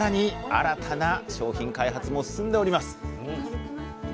新たな商品開発も進んでおります。